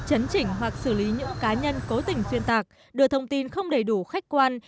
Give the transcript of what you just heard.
chấn chỉnh hoặc xử lý những cá nhân cố tình xuyên tạc đưa thông tin không đầy đủ khách quan